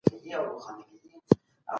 حفظ الصحه د ناروغیو مخه نیسي.